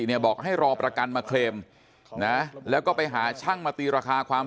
เนี่ยบอกให้รอประกันมาเคลมนะแล้วก็ไปหาช่างมาตีราคาความ